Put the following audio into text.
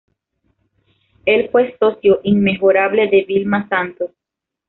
Él fue socio inmejorable de Vilma Santos.